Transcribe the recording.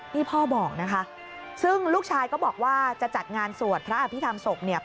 นี่พ่อบอกนะคะซึ่งลูกชายก็บอกว่าจะจัดงานสวดพระอภิษฐรรมศพเนี่ย